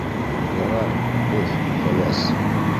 Ярай, Өф-Фәләс!